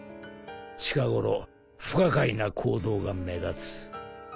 近ごろ不可解な行動が目立つ。